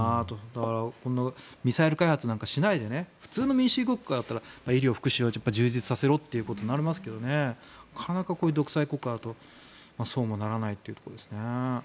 だからミサイル開発なんかしないで普通の民主主義国家だったら医療、福祉を充実させろってことになりますけどなかなか独裁国家だとそうもならないというところですね。